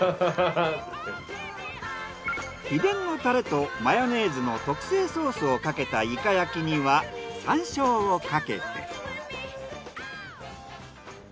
秘伝のタレとマヨネーズの特製ソースをかけたイカ焼きには山椒をかけて。